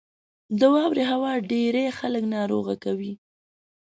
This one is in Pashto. • د واورې هوا ډېری خلک ناروغ کوي.